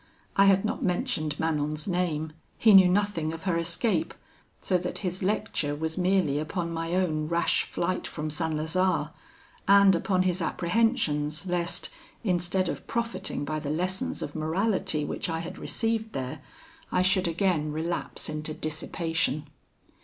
I had not mentioned Manon's name; he knew nothing of her escape; so that his lecture was merely upon my own rash flight from St. Lazare, and upon his apprehensions lest, instead of profiting by the lessons of morality which I had received there, I should again relapse into dissipation.